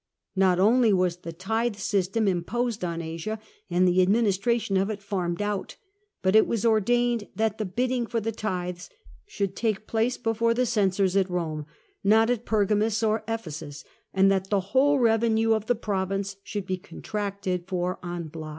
Hot only was the tithe system imposed on Asia, and the administration of it farmed out, but it was ordained that the bidding for the tithes should take place before the censors at Rome — ^not at Pergamus or Ephesus — and that the whole revenue of the province should be contracted for en bloc.